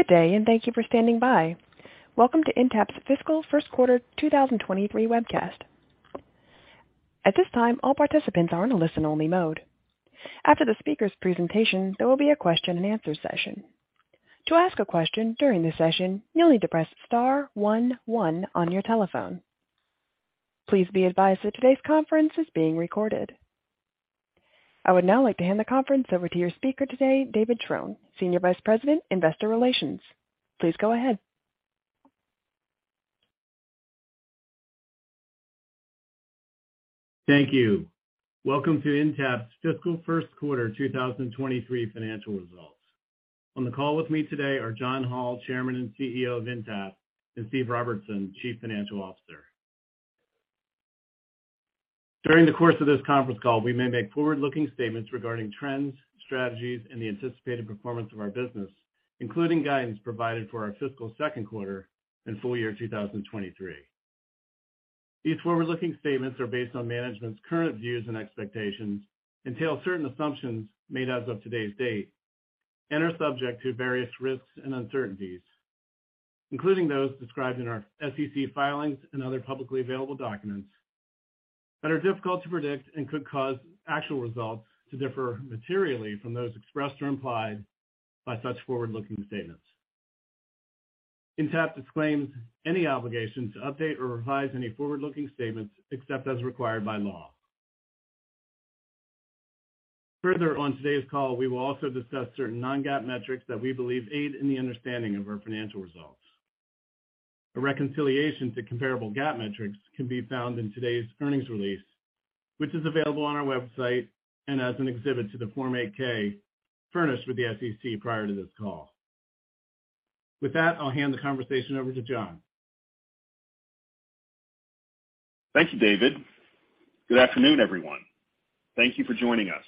Good day, and thank you for standing by. Welcome to Intapp's Fiscal Q1 2023 webcast. At this time, all participants are in a listen-only mode. After the speaker's presentation, there will be a question-and-answer session. To ask a question during the session, you'll need to press * one one on your telephone. Please be advised that today's conference is being recorded. I would now like to hand the conference over to your speaker today, David Trone, Senior Vice President, Investor Relations. Please go ahead. Thank you. Welcome to Intapp's Fiscal Q1 2023 financial results. On the call with me today are John Hall, Chairman and Chief Executive Officer of Intapp, and Steve Robertson, Chief Financial Officer. During the course of this Conference Call, we may make forward-looking statements regarding trends, strategies, and the anticipated performance of our business, including guidance provided for our fiscal Q2 and full-year 2023. These forward-looking statements are based on management's current views and expectations, entail certain assumptions made as of today's date, and are subject to various risks and uncertainties, including those described in our SEC filings and other publicly available documents that are difficult to predict and could cause actual results to differ materially from those expressed or implied by such forward-looking statements. Intapp disclaims any obligation to update or revise any forward-looking statements except as required by law. Further, on today's call, we will also discuss certain non-GAAP metrics that we believe aid in the understanding of our financial results. A reconciliation to comparable GAAP metrics can be found in today's earnings release, which is available on our website and as an exhibit to the Form 8-K furnished with the SEC prior to this call. With that, I'll hand the conversation over to John. Thank you, David. Good afternoon, everyone. Thank you for joining us.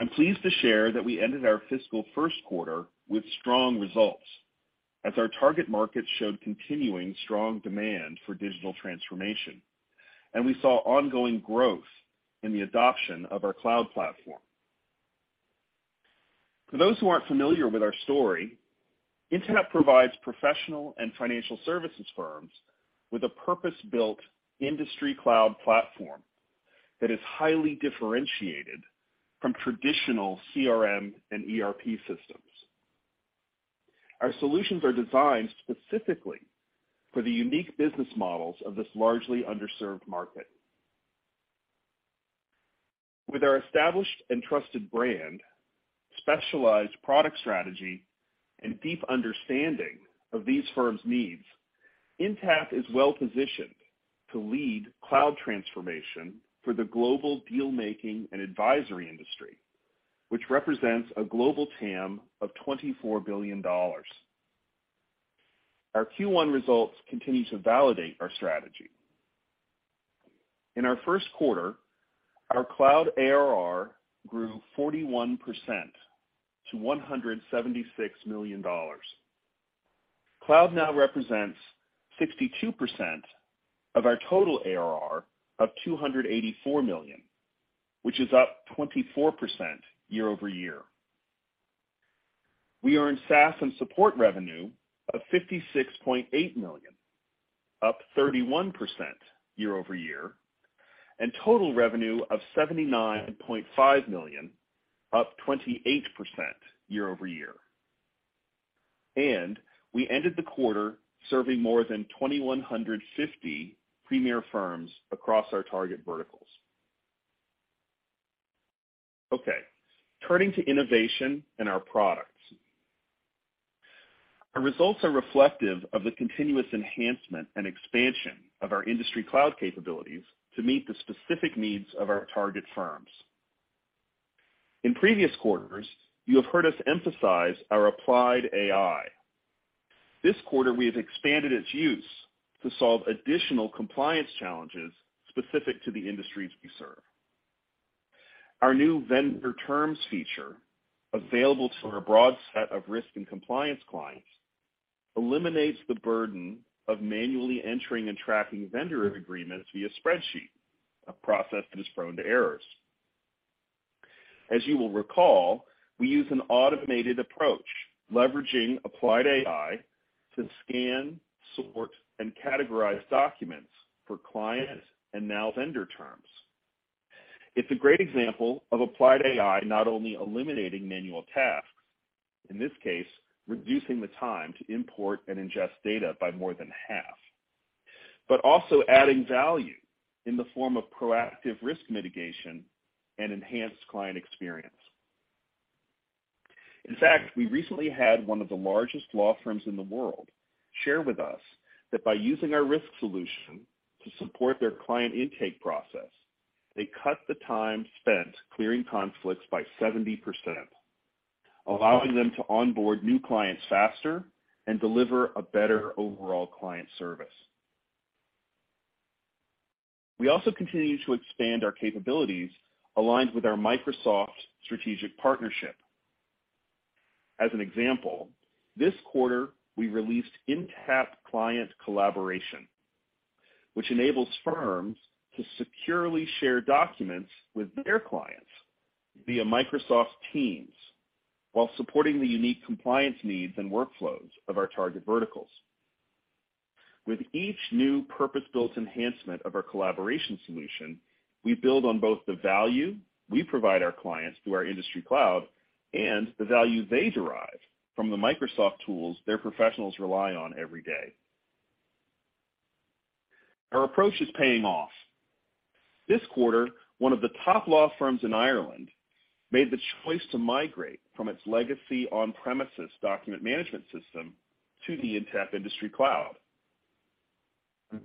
I'm pleased to share that we ended our fiscal Q1 with strong results as our target markets showed continuing strong demand for digital transformation, and we saw ongoing growth in the adoption of our cloud platform. For those who aren't familiar with our story, Intapp provides professional and financial services firms with a purpose-built industry cloud platform that is highly differentiated from traditional CRM and ERP systems. Our solutions are designed specifically for the unique business models of this largely underserved market. With our established and trusted brand, specialized product strategy, and deep understanding of these firms' needs, Intapp is well-positioned to lead cloud transformation for the global deal-making and advisory industry, which represents a global TAM of $24 billion. Our Q1 results continue to validate our strategy. In our Q1, our cloud ARR grew 41% to $176 million. Cloud now represents 62% of our total ARR of $284 million, which is up 24% year-over-year. We earned SaaS and support revenue of $56.8 million, up 31% year-over-year, and total revenue of $79.5 million, up 28% year-over-year. We ended the quarter serving more than 2,150 premier firms across our target verticals. Okay, turning to innovation and our products. Our results are reflective of the continuous enhancement and expansion of our industry cloud capabilities to meet the specific needs of our target firms. In previous quarters, you have heard us emphasize our Applied AI. This quarter, we have expanded its use to solve additional compliance challenges specific to the industries we serve. Our new vendor terms feature, available to our broad set of risk and compliance clients, eliminates the burden of manually entering and tracking vendor agreements via spreadsheet, a process that is prone to errors. As you will recall, we use an automated approach, leveraging Applied AI to scan, sort, and categorize documents for clients and now vendor terms. It's a great example of Applied AI not only eliminating manual tasks, in this case, reducing the time to import and ingest data by more than half. Also adding value in the form of proactive risk mitigation and enhanced client experience. In fact, we recently had one of the largest law firms in the world share with us that by using our risk solution to support their client intake process, they cut the time spent clearing conflicts by 70%, allowing them to onboard new clients faster and deliver a better overall client service. We also continue to expand our capabilities aligned with our Microsoft strategic partnership. As an example, this quarter, we released Intapp Client Collaboration, which enables firms to securely share documents with their clients via Microsoft Teams, while supporting the unique compliance needs and workflows of our target verticals. With each new purpose-built enhancement of our collaboration solution, we build on both the value we provide our clients through our industry cloud and the value they derive from the Microsoft tools their professionals rely on every day. Our approach is paying off. This quarter, one of the top law firms in Ireland made the choice to migrate from its legacy on-premises document management system to the Intapp industry cloud.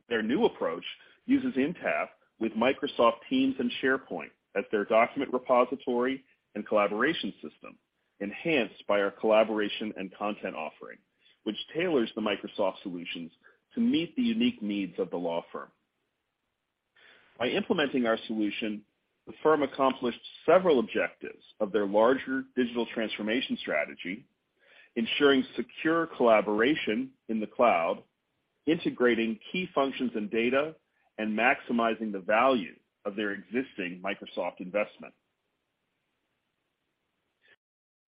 Their new approach uses Intapp with Microsoft Teams and SharePoint as their document repository and collaboration system, enhanced by our collaboration and content offering, which tailors the Microsoft solutions to meet the unique needs of the law firm. By implementing our solution, the firm accomplished several objectives of its larger digital transformation strategy, ensuring secure collaboration in the cloud, integrating key functions and data, and maximizing the value of their existing Microsoft investment.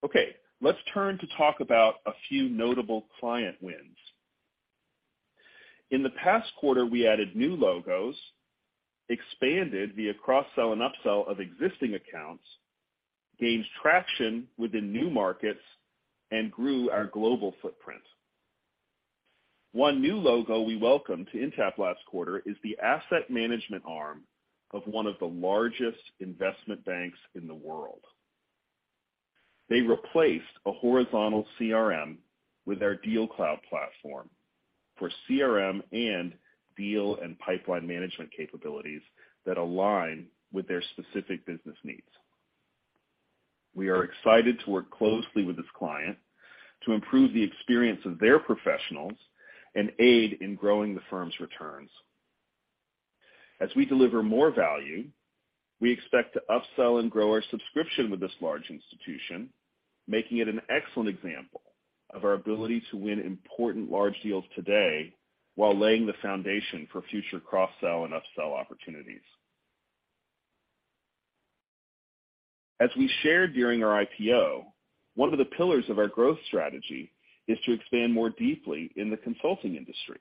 Okay, let's turn to talk about a few notable client wins. In the past quarter, we added new logos, expanded via cross-sell and up-sell of existing accounts, gained traction within new markets, and grew our global footprint. One new logo we welcomed to Intapp last quarter is the asset management arm of one of the largest investment banks in the world. They replaced a horizontal CRM with our DealCloud platform for CRM and deal and pipeline management capabilities that align with their specific business needs. We are excited to work closely with this client to improve the experience of their professionals and aid in growing the firm's returns. As we deliver more value, we expect to up-sell and grow our subscription with this large institution, making it an excellent example of our ability to win important large deals today while laying the foundation for future cross-sell and up-sell opportunities. As we shared during our IPO, one of the pillars of our growth strategy is to expand more deeply in the consulting industry,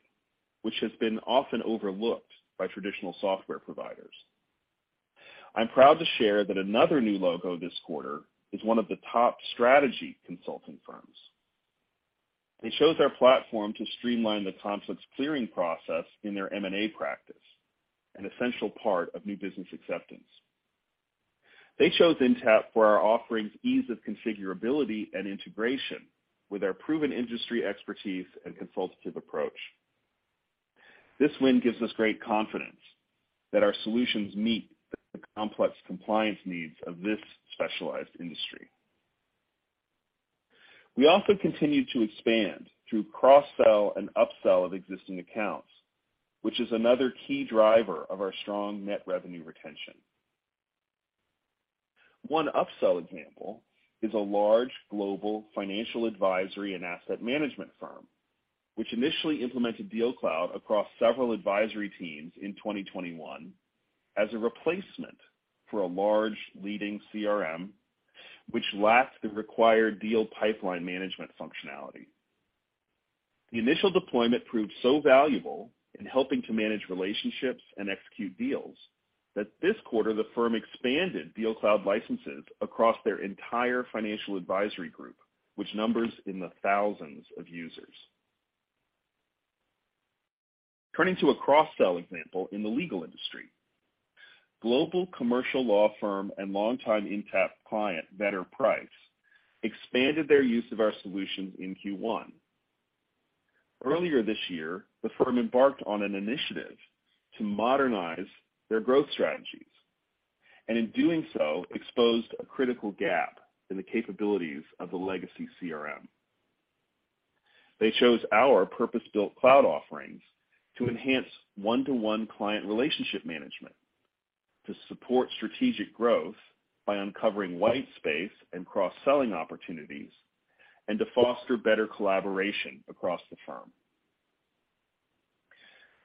which has been often overlooked by traditional software providers. I'm proud to share that another new logo this quarter is one of the top strategy consulting firms. They chose our platform to streamline the conflicts clearing process in their M&A practice, an essential part of new business acceptance. They chose Intapp for our offerings' ease of configurability and integration with our proven industry expertise and consultative approach. This win gives us great confidence that our solutions meet the complex compliance needs of this specialized industry. We also continue to expand through cross-sell and up-sell of existing accounts, which is another key driver of our strong net revenue retention. One up-sell example is a large global financial advisory and asset management firm, which initially implemented DealCloud across several advisory teams in 2021 as a replacement for a large leading CRM, which lacked the required deal pipeline management functionality. The initial deployment proved so valuable in helping to manage relationships and execute deals that this quarter, the firm expanded DealCloud licenses across its entire financial advisory group, which numbers in the thousands of users. Turning to a cross-sell example in the legal industry, global commercial law firm and longtime Intapp client, Vedder Price, expanded their use of our solutions in Q1. Earlier this year, the firm embarked on an initiative to modernize its growth strategies, and in doing so, exposed a critical gap in the capabilities of the legacy CRM. They chose our purpose-built cloud offerings to enhance one-to-one client relationship management, to support strategic growth by uncovering white space and cross-selling opportunities, and to foster better collaboration across the firm.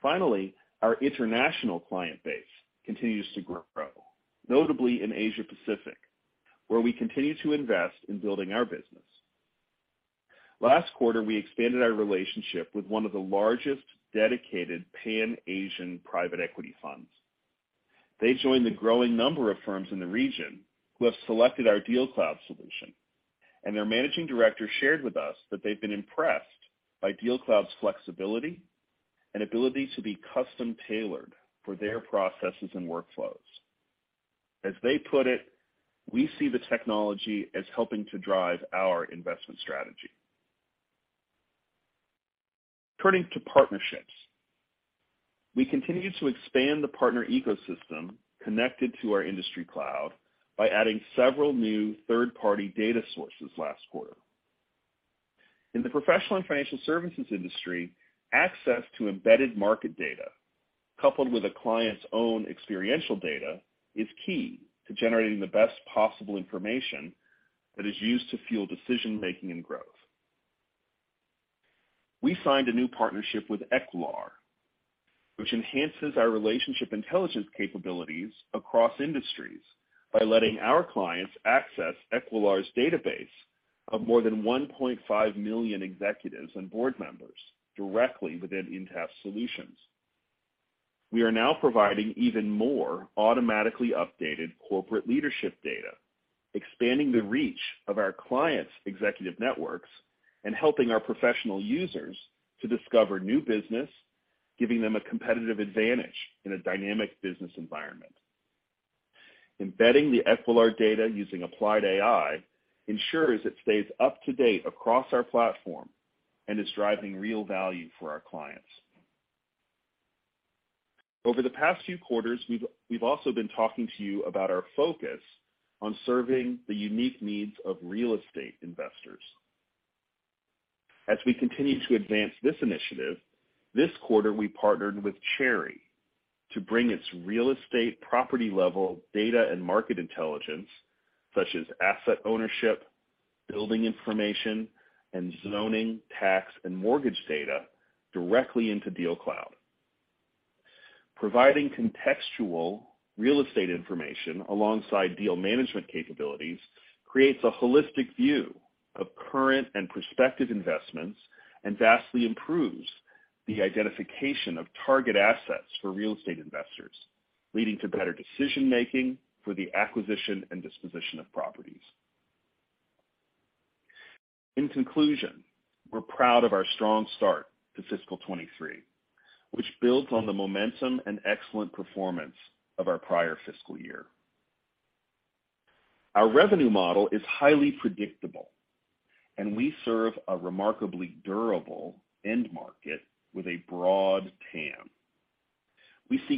Finally, our international client base continues to grow, notably in the Asia Pacific, where we continue to invest in building our business. Last quarter, we expanded our relationship with one of the largest dedicated Pan-Asian private equity funds. They joined the growing number of firms in the region who have selected our DealCloud solution, and their managing director shared with us that they've been impressed by DealCloud's flexibility and ability to be custom-tailored for their processes and workflows. As they put it, "We see the technology as helping to drive our investment strategy." Turning to partnerships, we continue to expand the partner ecosystem connected to our industry cloud by adding several new third-party data sources last quarter. In the professional and financial services industry, access to embedded market data, coupled with a client's own experiential data, is key to generating the best possible information that is used to fuel decision-making and growth. We signed a new partnership with Equilar, which enhances our relationship intelligence capabilities across industries by letting our clients access Equilar's database of more than 1.5 million executives and board members directly within Intapp solutions. We are now providing even more automatically updated corporate leadership data, expanding the reach of our clients' executive networks, and helping our professional users to discover new business, giving them a competitive advantage in a dynamic business environment. Embedding the Equilar data using Applied AI ensures it stays up to date across our platform and is driving real value for our clients. Over the past few quarters, we've also been talking to you about our focus on serving the unique needs of real estate investors. As we continue to advance this initiative, this quarter, we partnered with Cherre to bring its real estate property-level data and market intelligence, such as asset ownership, building information, and zoning, tax, and mortgage data, directly into DealCloud. Providing contextual real estate information alongside deal management capabilities creates a holistic view of current and prospective investments and vastly improves the identification of target assets for real estate investors, leading to better decision-making for the acquisition and disposition of properties. In conclusion, we're proud of our strong start to fiscal 2023, which builds on the momentum and excellent performance of our prior fiscal year. Our revenue model is highly predictable, and we serve a remarkably durable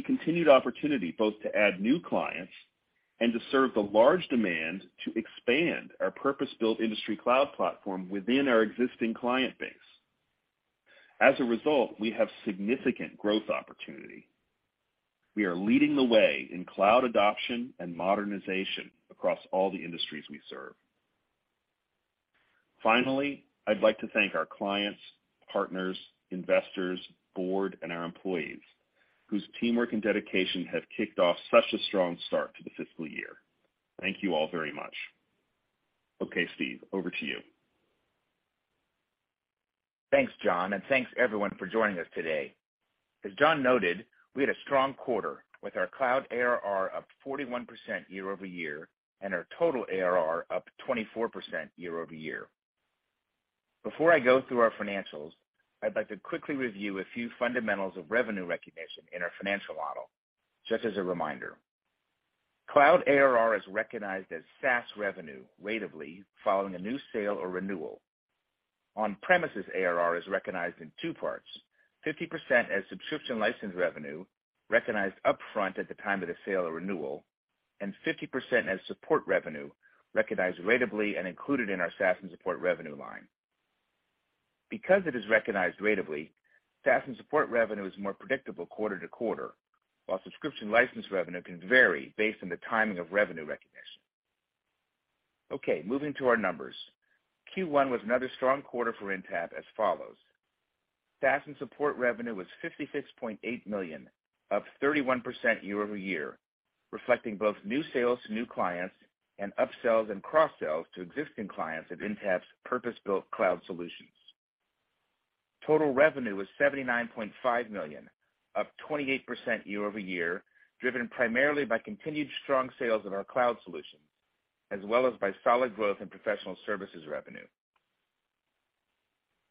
end market with a broad TAM. We see continued opportunity both to add new clients and to serve the large demand to expand our purpose-built Industry Cloud platform within our existing client base. As a result, we have significant growth opportunity. We are leading the way in cloud adoption and modernization across all the industries we serve. Finally, I'd like to thank our clients, partners, investors, board, and our employees, whose teamwork and dedication have kicked off such a strong start to the fiscal year. Thank you all very much. Okay, Steve, over to you. Thanks, John, and thanks, everyone, for joining us today. As John noted, we had a strong quarter, with our cloud ARR up 41% year-over-year and our total ARR up 24% year-over-year. Before I go through our financials, I'd like to quickly review a few fundamentals of revenue recognition in our financial model, just as a reminder. Cloud ARR is recognized as SaaS revenue ratably following a new sale or renewal. On-premises ARR is recognized in two parts: 50% as subscription license revenue, recognized upfront at the time of the sale or renewal, and 50% as support revenue, recognized ratably and included in our SaaS and support revenue line. Because it is recognized ratably, SaaS and support revenue is more predictable quarter-to-quarter, while subscription license revenue can vary based on the timing of revenue recognition. Okay, moving to our numbers. Q1 was another strong quarter for Intapp as follows. SaaS and support revenue was $56.8 million, up 31% year-over-year, reflecting both new sales to new clients and upsells and cross-sells to existing clients of Intapp's purpose-built cloud solutions. Total revenue was $79.5 million, up 28% year-over-year, driven primarily by continued strong sales of our cloud solutions, as well as by solid growth in professional services revenue.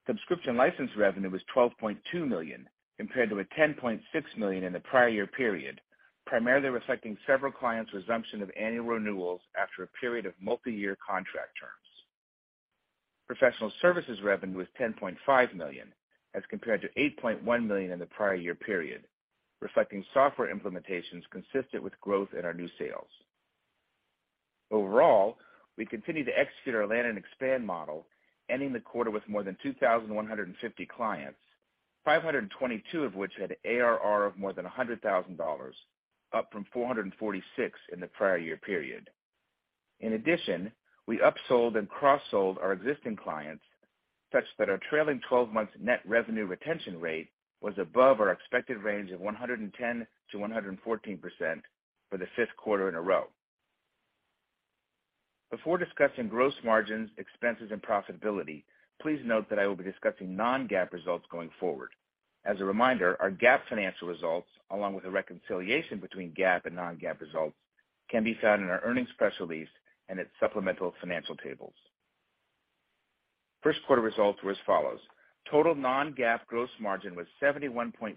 Subscription license revenue was $12.2 million, compared to $10.6 million in the prior year period, primarily reflecting several clients' resumption of annual renewals after a period of multiyear contract terms. Professional services revenue was $10.5 million, as compared to $8.1 million in the prior year period, reflecting software implementations consistent with growth in our new sales. Overall, we continue to execute our land and expand model, ending the quarter with more than 2,150 clients, 522 of which had ARR of more than $100,000, up from 446 in the prior year period. In addition, we upsold and cross-sold our existing clients such that our trailing 12-months net revenue retention rate was above our expected range of 110%-114% for the fifth quarter in a row. Before discussing gross margins, expenses, and profitability, please note that I will be discussing Non-GAAP results going forward. As a reminder, our GAAP financial results, along with a reconciliation between GAAP and Non-GAAP results, can be found in our earnings press release and its supplemental financial tables. Q1 results were as follows. Total Non-GAAP gross margin was 71.3%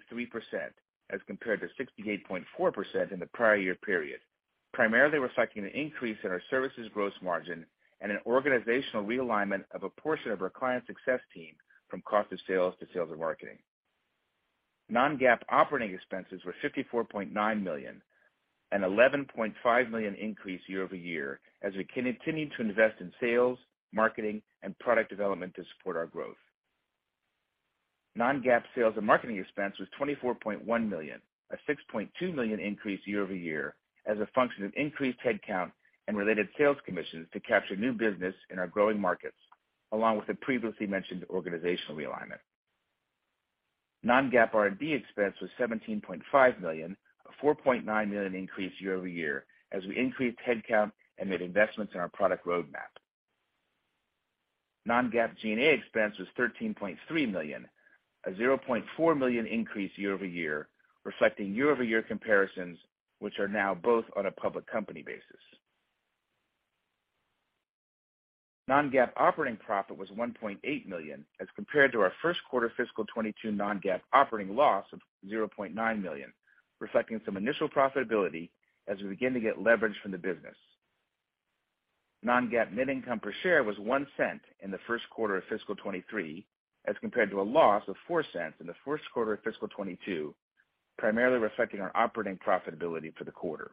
as compared to 68.4% in the prior year period, primarily reflecting an increase in our services gross margin and an organizational realignment of a portion of our client success team from cost of sales to sales and marketing. Non-GAAP operating expenses were $54.9 million, an $11.5 million increase year-over-year as we continue to invest in sales, marketing, and product development to support our growth. Non-GAAP sales and marketing expense was $24.1 million, a $6.2 million increase year-over-year as a function of increased headcount and related sales commissions to capture new business in our growing markets, along with the previously mentioned organizational realignment. Non-GAAP R&D expense was $17.5 million, a $4.9 million increase year-over-year as we increased headcount and made investments in our product roadmap. Non-GAAP G&A expense was $13.3 million, a $0.4 million increase year-over-year, reflecting year-over-year comparisons, which are now both on a public company basis. Non-GAAP operating profit was $1.8 million, as compared to our Q1 fiscal 2022 Non-GAAP operating loss of $0.9 million, reflecting some initial profitability as we begin to get leverage from the business. Non-GAAP net income per share was $0.01 in the Q1 of fiscal 2023, as compared to a loss of $0.04 in the Q1 of fiscal 2022, primarily reflecting our operating profitability for the quarter.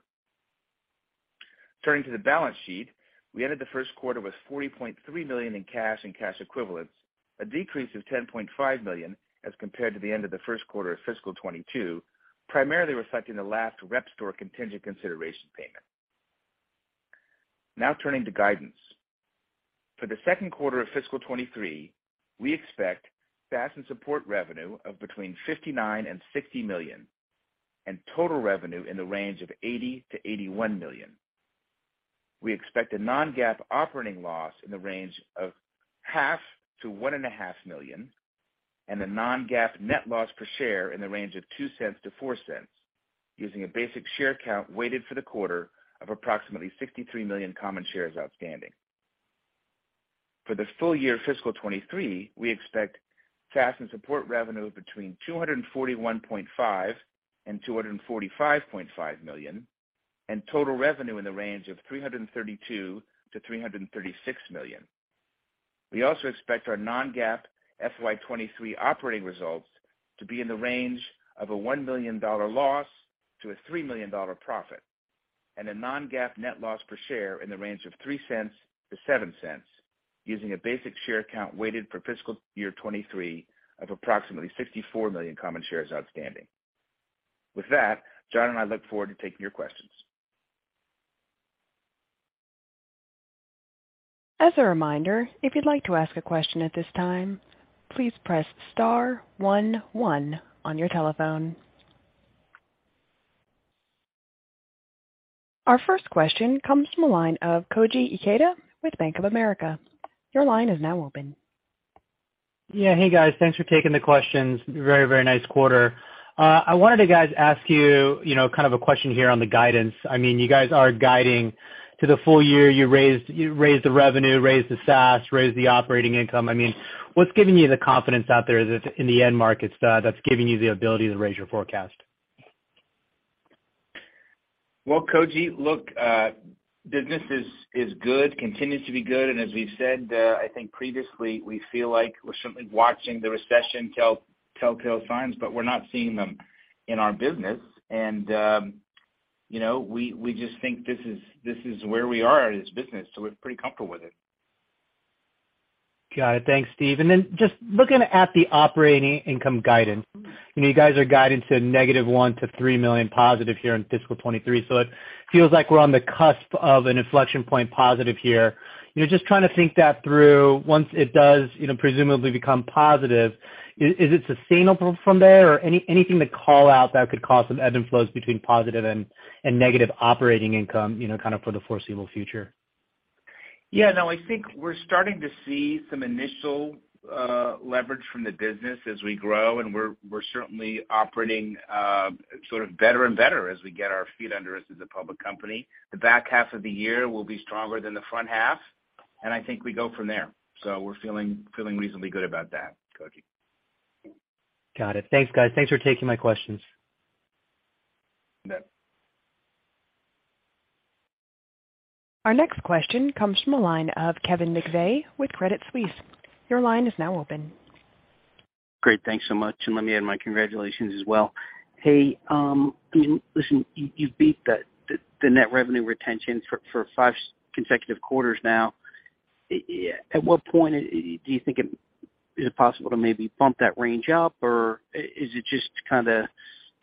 Turning to the balance sheet, we ended the Q1 with $40.3 million in cash and cash equivalents, a decrease of $10.5 million as compared to the end of the Q1 of fiscal 2022, primarily reflecting the last Repstor contingent consideration payment. Now turning to guidance. For the Q2 of fiscal 2023, we expect SaaS and support revenue of between $59 million and $60 million, and total revenue in the range of $80-$81 million. We expect a Non-GAAP operating loss in the range of $0.5-$1.5 million, and a Non-GAAP net loss per share in the range of $0.02-$0.04, using a basic share count weighted for the quarter of approximately 63 million common shares outstanding. For the full-year fiscal 2023, we expect SaaS and support revenue between $241.5 million and $245.5 million, and total revenue in the range of $332 million-$336 million. We also expect our Non-GAAP FY 2023 operating results to be in the range of a $1 million loss to a $3 million profit, and a Non-GAAP net loss per share in the range of $0.03-$0.07, using a basic share count weighted for fiscal year 2023 of approximately 64 million common shares outstanding. With that, John and I look forward to taking your questions. As a reminder, if you'd like to ask a question at this time, please press * one one on your telephone. Our first question comes from the line of Koji Ikeda with Bank of America. Your line is now open. Yeah. Hey, guys. Thanks for taking the questions. Very, very nice quarter. I wanted to, guys, ask you know, kind of a question here on the guidance. I mean, you guys are guiding to the full-year. You raised the revenue, raised the SaaS, raised the operating income. I mean, what's giving you the confidence out there in the end markets that's giving you the ability to raise your forecast? Well, Koji, look, business is good, continues to be good. As we've said, I think previously, we feel like we're certainly watching the recession telltale signs, but we're not seeing them in our business. You know, we just think this is where we are as a business, so we're pretty comfortable with it. Got it. Thanks, Steve. Then just looking at the operating income guidance, you know, you guys are guiding to -$1 million to $3 million here in fiscal 2023. It feels like we're on the cusp of an inflection point positive here. You know, just trying to think that through once it does, you know, presumably become positive, is it sustainable from there? Or anything to call out that could cause some ebb and flows between positive and negative operating income, you know, kind of for the foreseeable future? Yeah, no, I think we're starting to see some initial leverage from the business as we grow, and we're certainly operating sort of better and better as we get our feet under us as a public company. The back half of the year will be stronger than the front half, and I think we go from there. We're feeling reasonably good about that, Koji. Got it. Thanks, guys. Thanks for taking my questions. Yep. Our next question comes from a line of Kevin McVeigh with Credit Suisse. Your line is now open. Great. Thanks so much, and let me add my congratulations as well. Hey, I mean, listen, you beat the net revenue retention for five consecutive quarters now. At what point do you think it is possible to maybe bump that range up? Or is it just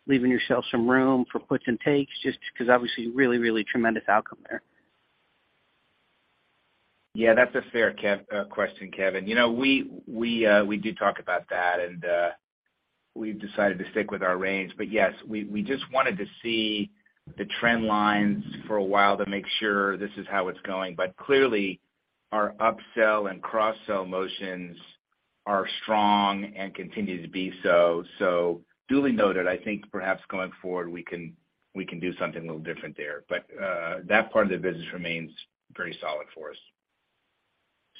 leaving yourself some room for puts and takes? Just 'cause obviously really tremendous outcome there. Yeah, that's a fair question, Kevin. You know, we did talk about that and we've decided to stick with our range. Yes, we just wanted to see the trend lines for a while to make sure this is how it's going. Clearly, our upsell and cross-sell motions are strong and continue to be so. Duly noted, I think perhaps going forward, we can do something a little different there. That part of the business remains very solid for us.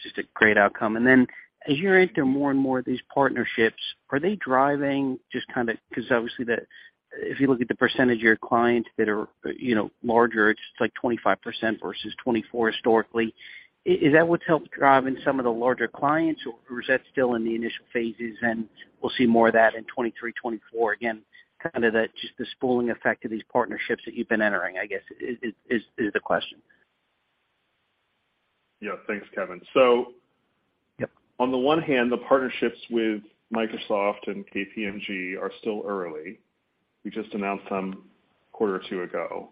Just a great outcome. Then as you enter more and more of these partnerships, are they driving just kind of 'cause obviously if you look at the percentage of your clients that are, you know, larger, it's like 25% versus 24 historically. Is that what's helped drive in some of the larger clients, or is that still in the initial phases, and we'll see more of that in 2023, 2024? Again, kind of the, just the spillover effect of these partnerships that you've been entering, I guess is the question. Yeah. Thanks, Kevin. Yep. On the one hand, the partnerships with Microsoft and KPMG are still early. We just announced them a quarter or two ago.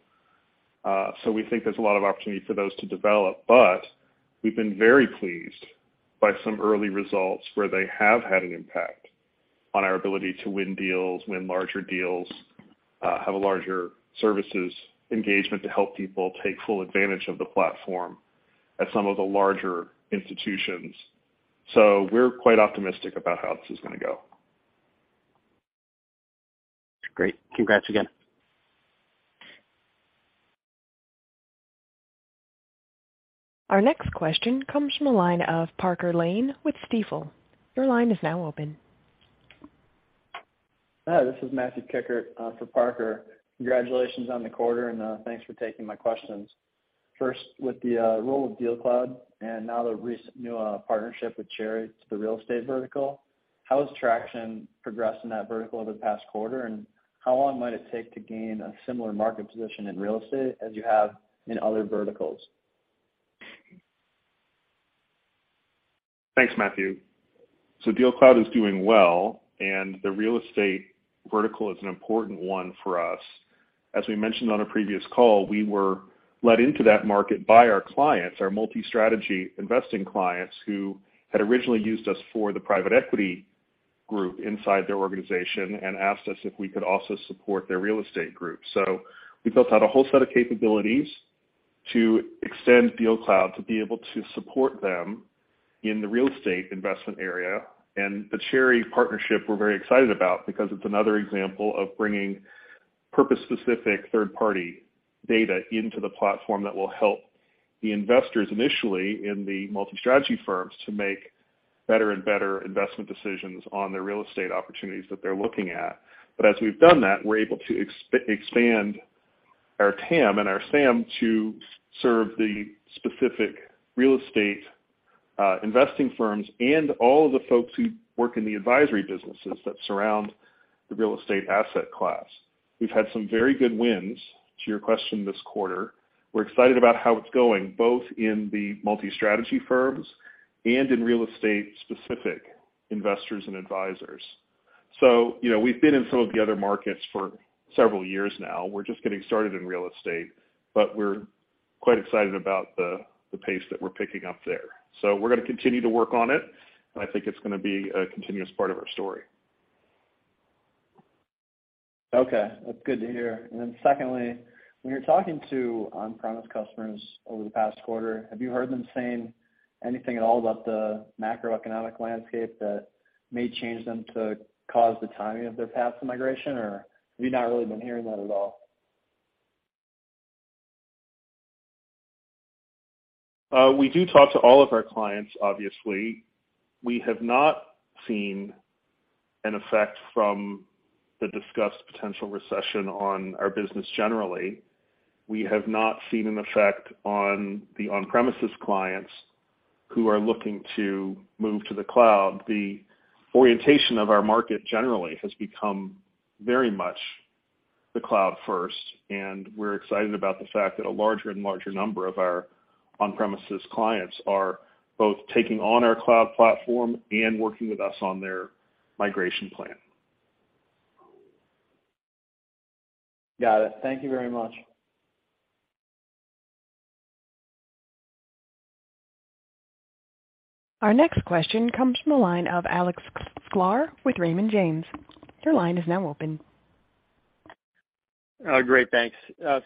We think there's a lot of opportunity for those to develop, but we've been very pleased by some early results where they have had an impact on our ability to win deals, win larger deals, have a larger services engagement to help people take full advantage of the platform at some of the larger institutions. We're quite optimistic about how this is gonna go. Great. Congrats again. Our next question comes from the line of Parker Lane with Stifel. Your line is now open. Hi, this is Matthew Kikkert for Parker. Congratulations on the quarter, and thanks for taking my questions. First, with the role of DealCloud and now the recent new partnership with Cherre to the real estate vertical, how has traction progressed in that vertical over the past quarter, and how long might it take to gain a similar market position in real estate as you have in other verticals? Thanks, Matthew. DealCloud is doing well, and the real estate vertical is an important one for us. As we mentioned on a previous call, we were led into that market by our clients, our multi-strategy investing clients, who had originally used us for the private equity group inside their organization and asked us if we could also support their real estate group. We built out a whole set of capabilities to extend DealCloud to be able to support them in the real estate investment area. The Cherre partnership we're very excited about because it's another example of bringing purpose-specific third-party data into the platform that will help the investors initially in the multi-strategy firms to make better and better investment decisions on their real estate opportunities that they're looking at. As we've done that, we're able to expand our TAM and our SAM to serve the specific real estate investing firms and all of the folks who work in the advisory businesses that surround the real estate asset class. We've had some very good wins, to your question, this quarter. We're excited about how it's going, both in the multi-strategy firms and in real estate-specific investors and advisors. You know, we've been in some of the other markets for several years now. We're just getting started in real estate, but we're quite excited about the pace that we're picking up there. We're gonna continue to work on it. I think it's gonna be a continuous part of our story. Okay. That's good to hear. Secondly, when you're talking to on-premise customers over the past quarter, have you heard them saying anything at all about the macroeconomic landscape that may change them to cause the timing of their path to migration, or have you not really been hearing that at all? We do talk to all of our clients, obviously. We have not seen an effect from the discussed potential recession on our business generally. We have not seen an effect on the on-premises clients who are looking to move to the cloud. The orientation of our market generally has become very much the cloud first, and we're excited about the fact that a larger and larger number of our on-premises clients are both taking on our cloud platform and working with us on their migration plan. Got it. Thank you very much. Our next question comes from the line of Alex Sklar with Raymond James. Your line is now open. Great. Thanks.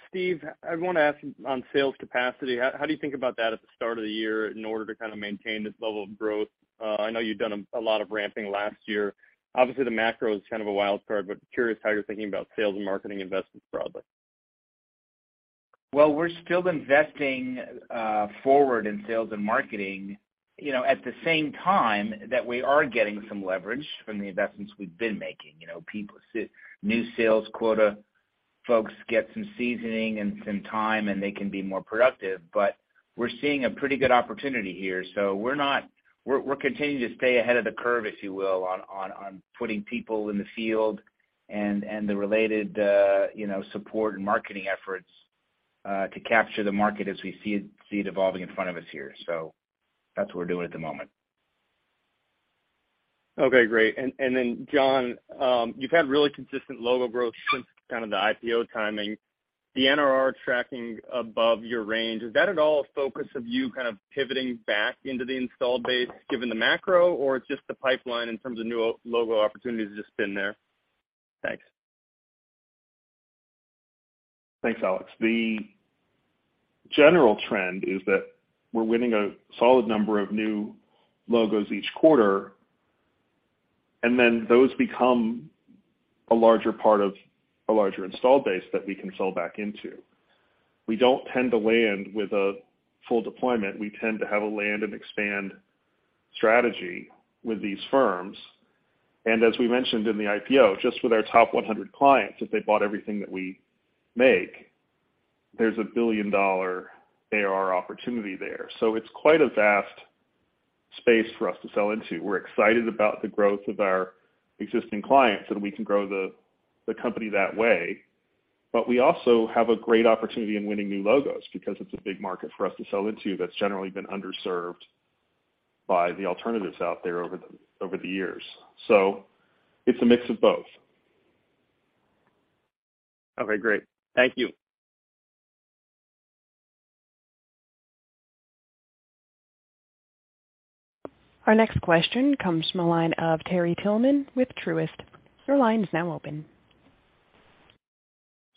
Steve, I wanna ask on sales capacity, how do you think about that at the start of the year in order to kind of maintain this level of growth? I know you've done a lot of ramping last year. Obviously, the macro is kind of a wild card, but curious how you're thinking about sales and marketing investments broadly. Well, we're still investing forward in sales and marketing, you know, at the same time that we are getting some leverage from the investments we've been making. You know, people some new sales quota folks get some seasoning and some time, and they can be more productive. We're seeing a pretty good opportunity here. We're continuing to stay ahead of the curve, if you will, on putting people in the field and the related, you know, support and marketing efforts to capture the market as we see it evolving in front of us here. That's what we're doing at the moment. Okay. Great. John, you've had really consistent logo growth since kind of the IPO timing. The NRR tracking above your range, is that at all a focus of you kind of pivoting back into the installed base given the macro, or it's just the pipeline in terms of new logo opportunities just been there? Thanks. Thanks, Alex. The general trend is that we're winning a solid number of new logos each quarter, and then those become a larger part of a larger installed base that we can sell back into. We don't tend to land with a full deployment. We tend to have a land and expand strategy with these firms. As we mentioned in the IPO, just with our top 100 clients, if they bought everything that we make, there's a billion-dollar ARR opportunity there. It's quite a vast space for us to sell into. We're excited about the growth of our existing clients, and we can grow the company that way. We also have a great opportunity in winning new logos because it's a big market for us to sell into that's generally been underserved by the alternatives out there over the years. It's a mix of both. Okay, great. Thank you. Our next question comes from the line of Terry Tillman with Truist. Your line is now open.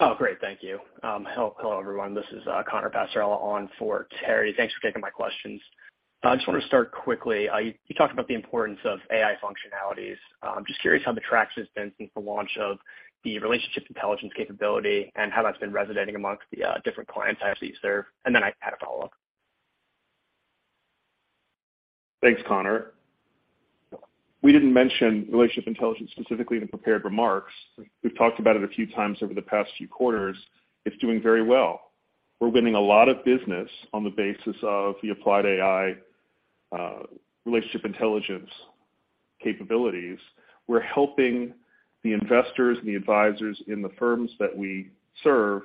Oh, great. Thank you. Hello, everyone. This is Connor Passarella on for Terry. Thanks for taking my questions. I just wanna start quickly. You talked about the importance of AI functionalities. Just curious how the traction has been since the launch of the relationship intelligence capability and how that's been resonating amongst the different client types that you serve. Then I had a follow-up. Thanks, Connor. We didn't mention relationship intelligence specifically in prepared remarks. We've talked about it a few times over the past few quarters. It's doing very well. We're winning a lot of business on the basis of the Applied AI relationship intelligence capabilities. We're helping the investors and the advisors in the firms that we serve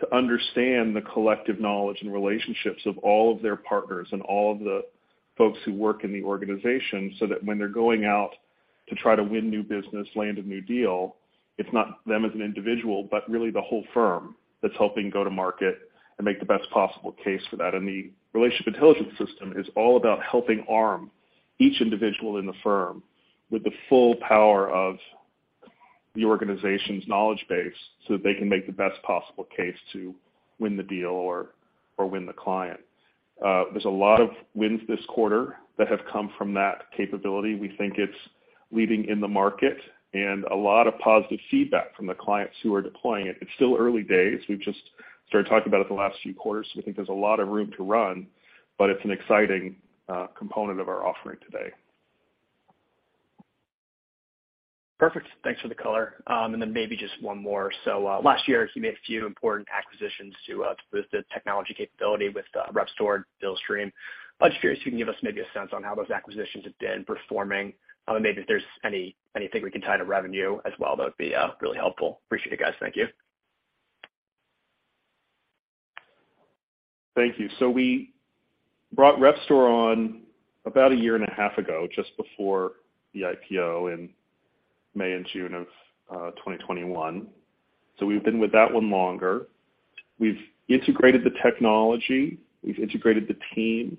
to understand the collective knowledge and relationships of all of their partners and all of the folks who work in the organization, so that when they're going out to try to win new business, land a new deal, it's not them as an individual, but really the whole firm that's helping go to market and make the best possible case for that. The relationship intelligence system is all about helping arm each individual in the firm with the full power of the organization's knowledge base, so that they can make the best possible case to win the deal or win the client. There's a lot of wins this quarter that have come from that capability. We think it's leading in the market and a lot of positive feedback from the clients who are deploying it. It's still early days. We've just started talking about it the last few quarters. We think there's a lot of room to run, but it's an exciting component of our offering today. Perfect. Thanks for the color. Then maybe just one more. Last year, you made a few important acquisitions with the technology capability with the Repstor, Billstream. I'm just curious if you can give us maybe a sense on how those acquisitions have been performing, and maybe if there's anything we can tie to revenue as well, that would be really helpful. Appreciate it, guys. Thank you. Thank you. We brought Repstor on about a year and a half ago, just before the IPO in May and June of 2021. We've been with that one longer. We've integrated the technology. We've integrated the team.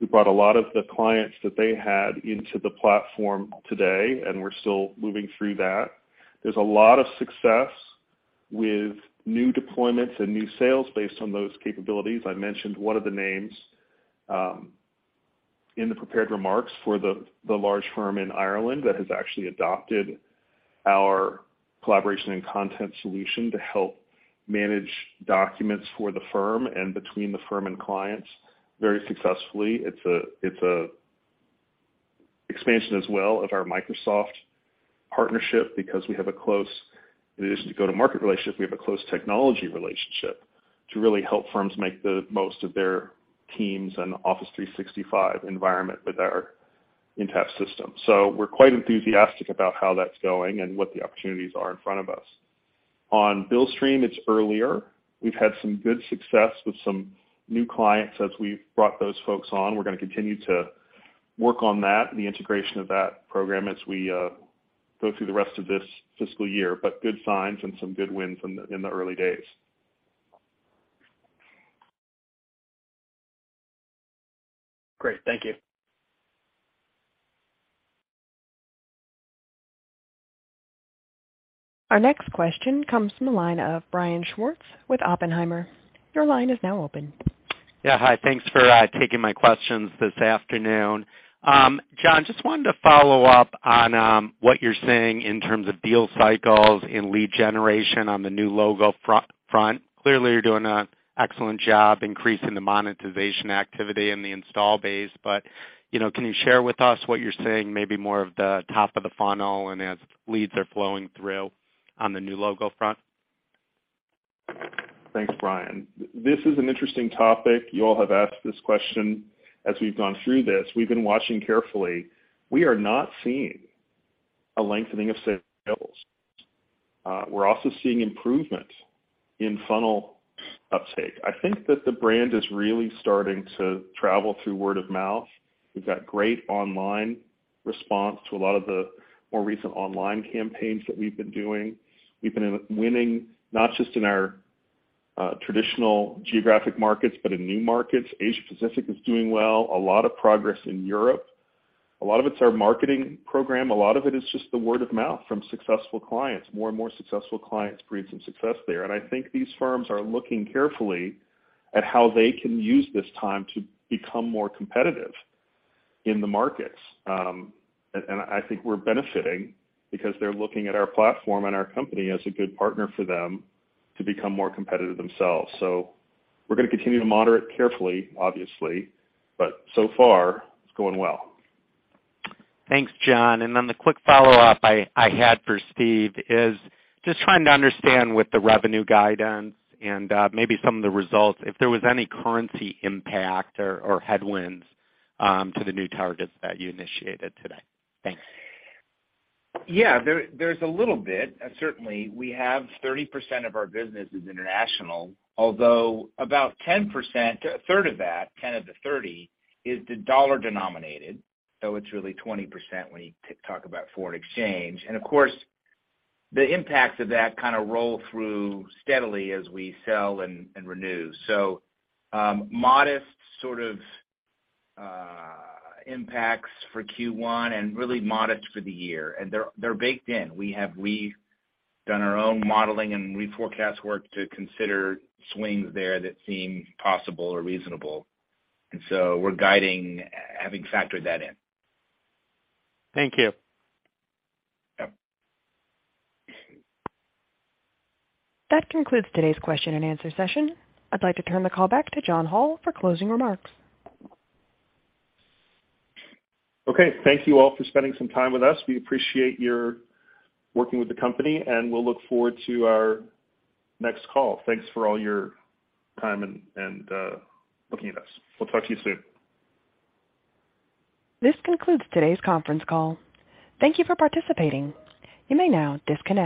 We brought a lot of the clients that they had into the platform today, and we're still moving through that. There's a lot of success with new deployments and new sales based on those capabilities. I mentioned one of the names in the prepared remarks for the large firm in Ireland that has actually adopted our collaboration and content solution to help manage documents for the firm and between the firm and clients very successfully. It's an expansion as well of our Microsoft partnership because we have a close. In addition to go-to-market relationship, we have a close technology relationship to really help firms make the most of their Teams and Office 365 environment with our Intapp system. We're quite enthusiastic about how that's going and what the opportunities are in front of us. On Billstream, it's earlier. We've had some good success with some new clients as we've brought those folks on. We're gonna continue to work on that, the integration of that program as we go through the rest of this fiscal year. Good signs and some good wins in the early days. Great. Thank you. Our next question comes from the line of Brian Schwartz with Oppenheimer. Your line is now open. Yeah. Hi. Thanks for taking my questions this afternoon. John, just wanted to follow up on what you're seeing in terms of deal cycles and lead generation on the new logo front. Clearly, you're doing an excellent job increasing the monetization activity and the install base. You know, can you share with us what you're seeing maybe more of the top of the funnel and as leads are flowing through on the new logo front? Thanks, Brian. This is an interesting topic. You all have asked this question as we've gone through this. We've been watching carefully. We are not seeing a lengthening of sales. We're also seeing improvement in funnel uptake. I think that the brand is really starting to travel through word of mouth. We've got great online response to a lot of the more recent online campaigns that we've been doing. We've been winning not just in our traditional geographic markets, but in new markets. Asia Pacific is doing well. A lot of progress in Europe. A lot of it's our marketing program. A lot of it is just the word of mouth from successful clients. More and more successful clients breed some success there. I think these firms are looking carefully at how they can use this time to become more competitive in the markets. I think we're benefiting because they're looking at our platform and our company as a good partner for them to become more competitive themselves. We're gonna continue to moderate carefully, obviously, but so far it's going well. Thanks, John. The quick follow-up I had for Steve is just trying to understand with the revenue guidance and, maybe some of the results, if there was any currency impact or headwinds to the new targets that you initiated today. Thanks. Yeah. There's a little bit. Certainly, we have 30% of our business is international, although about 10%, a third of that, 10 of the 30, is the dollar-denominated, so it's really 20% when you talk about foreign exchange. Of course, the impacts of that roll through steadily as we sell and renew. Modest sort of impacts for Q1 and really modest for the year. They're baked in. We've done our own modeling and reforecast work to consider swings there that seem possible or reasonable. We're guiding having factored that in. Thank you. Yep. That concludes today's question-and-answer session. I'd like to turn the call back to John Hall for closing remarks. Okay. Thank you all for spending some time with us. We appreciate your working with the company, and we'll look forward to our next call. Thanks for all your time and looking at us. We'll talk to you soon. This concludes today's Conference Call. Thank you for participating. You may now disconnect.